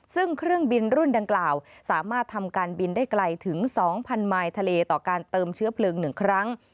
ซึ่งเครื่องบินรุ่นดังกล่าวสามารถทำการบินได้ไกลถึง๒๐๐๐มายทะเลต่อการเติมเชื้อเพลิง๑ครั้ง